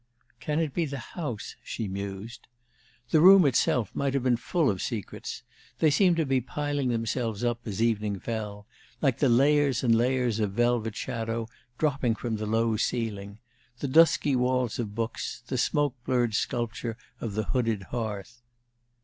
"Can it be the house?" she mused. The room itself might have been full of secrets. They seemed to be piling themselves up, as evening fell, like the layers and layers of velvet shadow dropping from the low ceiling, the dusky walls of books, the smoke blurred sculpture of the hooded hearth.